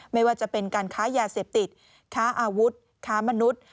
ไม่ว่าจะเป็นการค้ายาเสพติดค้าอาวุธค้ามนุษย์